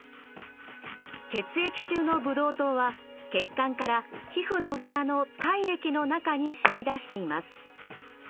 血液中のブドウ糖は血管から皮膚の下の体液の中に染み出しています。